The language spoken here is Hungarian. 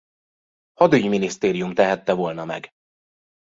Hadügyminisztérium tehette volna meg.